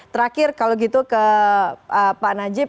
terakhir kalau gitu ke pak najib